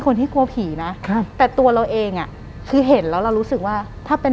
หลังจากนั้นเราไม่ได้คุยกันนะคะเดินเข้าบ้านอืม